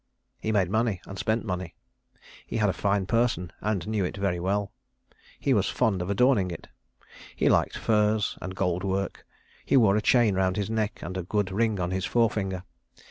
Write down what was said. He made money, and spent money. He had a fine person, and knew it very well. He was fond of adorning it. He liked furs, and gold work; he wore a chain round his neck, and a good ring on his forefinger.